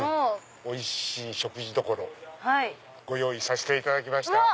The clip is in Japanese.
おいしい食事どころご用意させていただきました。